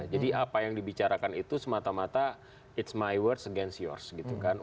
jadi apa yang dibicarakan itu semata mata it's my words against yours gitu kan